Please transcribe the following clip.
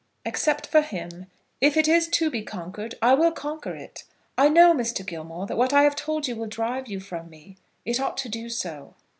"Except for him. If it is to be conquered, I will conquer it. I know, Mr. Gilmore, that what I have told you will drive you from me. It ought to do so."